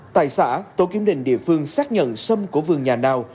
tại xã tổ kiểm định địa phương xác nhận sâm của vườn nhà nào